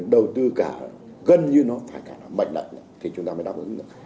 đầu tư gần như nó phải cả là mạnh lạnh thì chúng ta mới đáp ứng được